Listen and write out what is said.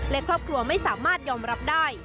และครอบครัวไม่สามารถยอมรับได้